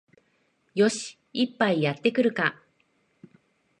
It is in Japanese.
よし、一杯やってくるか